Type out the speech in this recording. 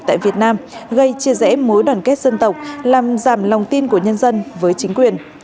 tại việt nam gây chia rẽ mối đoàn kết dân tộc làm giảm lòng tin của nhân dân với chính quyền